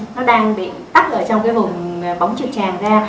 nó đang bị tắt ở trong cái vùng bóng truyền tràn ra